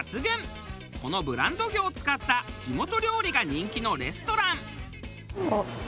このブランド魚を使った地元料理が人気のレストラン。